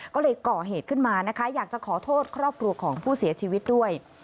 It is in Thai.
ก็เลยก่อเหตุขึ้นมานะคะอยากจะขอโทษครอบครัวของผู้เสียชีวิตด้วย